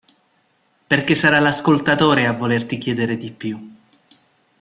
Perché sarà l'ascoltatore a volerti chiedere di più.